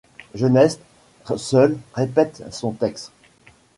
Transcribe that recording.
Genest, seul, répète son texte.